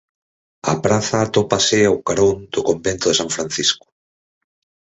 A praza atópase a carón do Convento de San Francisco.